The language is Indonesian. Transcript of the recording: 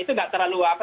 itu tidak terlalu apa